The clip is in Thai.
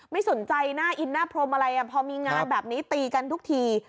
ไม่สนใจหน้าอินหน้าพรมอะไรพอมีงานแบบนี้ตีกันทุกที